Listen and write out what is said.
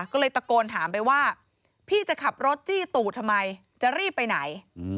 ก็เลยตะโกนถามไปว่าพี่จะขับรถจี้ตู่ทำไมจะรีบไปไหน